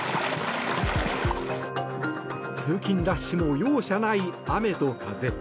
通勤ラッシュも容赦ない雨と風。